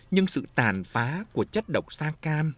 nhưng sự tàn phá của chất động sa can